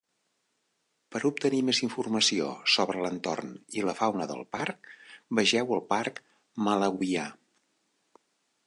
Per obtenir més informació sobre l'entorn i la fauna del parc, vegeu el parc malawià.